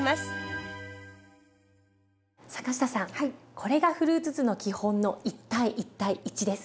これがフルーツ酢の基本の１：１：１です。